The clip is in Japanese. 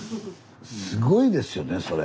すごいですよねそれ。